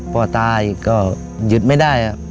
ตลอดก็ยึดไม่ได้